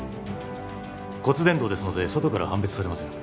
骨伝導ですので外からは判別されません